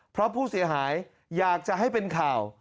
เพราะผู้เสียหายอยากจะให้เป็นข่าว